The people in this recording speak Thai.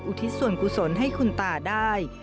ทิศส่วนกุศลให้คุณตาได้